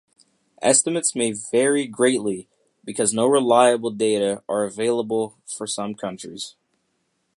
Estimates may vary greatly, because no reliable data are available for some countries.